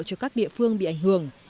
cho các địa phương bị ảnh hưởng